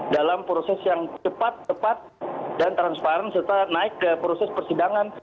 dalam proses yang cepat tepat dan transparan serta naik ke proses persidangan